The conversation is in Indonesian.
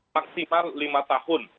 maksimal lima tahun